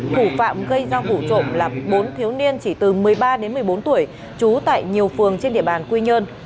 cụ phạm gây ra vụ trộn là bốn thiếu niên chỉ từ một mươi ba đến một mươi bốn tuổi chú tại nhiều phường trên địa bàn quy nhơn